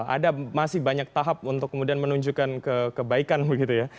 ada masih banyak tahap untuk kemudian menunjukkan kebaikan begitu ya